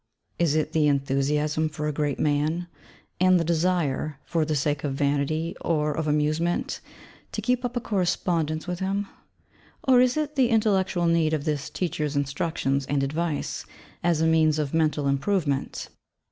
Is it the 'enthusiasm for a great man,' and the desire (for the sake of vanity, or of amusement) to keep up a correspondence with him? Or is it the intellectual need of this teacher's instructions and advice, as a means of mental improvement?